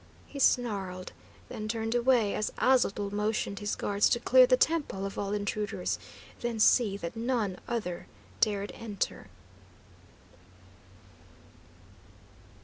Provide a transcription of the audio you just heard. he snarled, then turned away as Aztotl motioned his guards to clear the temple of all intruders, then see that none other dared enter.